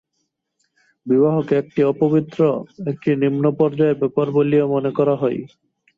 বিবাহকে একটা অপবিত্র, একটা নিম্ন পর্যায়ের ব্যাপার বলিয়া মনে করা হয়।